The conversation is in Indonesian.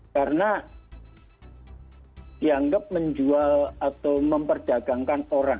karena dianggap menjual atau memperdagangkan orang